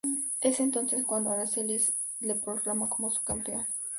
Es entonces cuando Aracely le proclama como su "campeón".